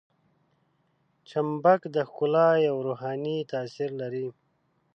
چمبک د ښکلا یو روحاني تاثیر لري.